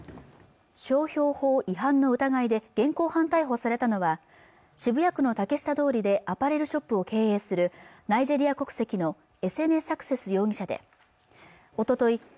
商標法違反の疑いで現行犯逮捕されたのは渋谷区の竹下通りでアパレルショップを経営するナイジェリア国籍のエセネ・サクセス容疑者でおととい